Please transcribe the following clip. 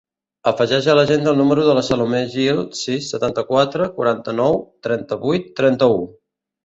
Afegeix a l'agenda el número de la Salomé Gil: sis, setanta-quatre, quaranta-nou, trenta-vuit, trenta-u.